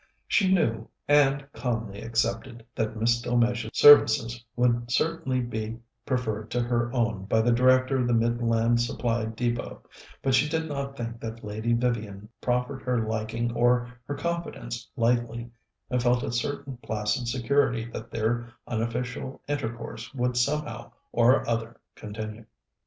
She knew, and calmly accepted, that Miss Delmege's services would certainly be preferred to her own by the Director of the Midland Supply Depôt; but she did not think that Lady Vivian proffered her liking or her confidence lightly, and felt a certain placid security that their unofficial intercourse would somehow or other continue.